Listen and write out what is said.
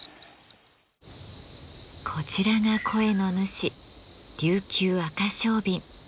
こちらが声の主リュウキュウアカショウビン。